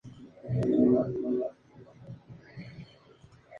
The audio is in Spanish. Los cuadrúpedos tienen bien diferenciadas las cuatro extremidades, las orejas y el hocico.